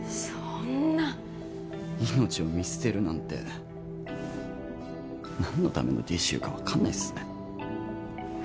そんな命を見捨てるなんて何のためのＤＣＵか分かんないっすね